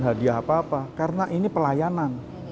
hadiah apa apa karena ini pelayanan